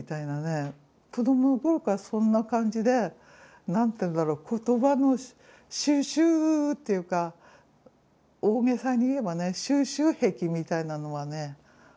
子どもの頃からそんな感じで何て言うんだろ言葉の収集っていうか大げさに言えばね収集癖みたいなのはねありましたね。